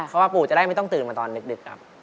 เพราะว่าปู่จะได้ไม่ต้องตื่นมาตอนดึกครับ